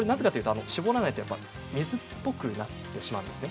絞らないと水っぽくなってしまうんですね。